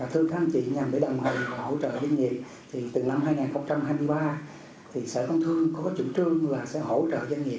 thưa các anh chị nhằm để đồng hành hỗ trợ doanh nghiệp